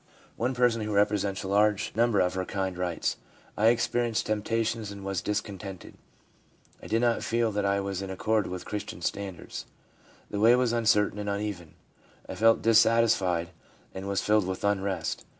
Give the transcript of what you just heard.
One person who represents a large 384 THE PSYCHOLOGY OF RELIGION number of her kind writes :* I experienced temptations and was discontented. I did not feel that I was in accord with Christian standards. The way was un certain and uneven. I felt dissatisfied and was filled with unrest.'